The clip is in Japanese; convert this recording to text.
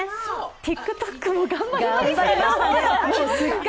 ＴｉｋＴｏｋも頑張りましたね。